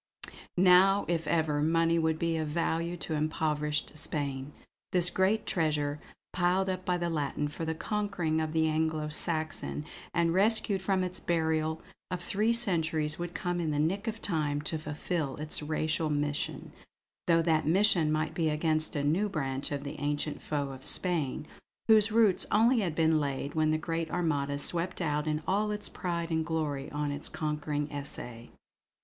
Now if ever, money would be of value to impoverished Spain. This great treasure, piled up by the Latin for the conquering of the Anglo Saxon, and rescued from its burial of three centuries, would come in the nick of time to fulfill its racial mission; though that mission might be against a new branch of the ancient foe of Spain, whose roots only had been laid when the great Armada swept out in all its pride and glory on its conquering essay.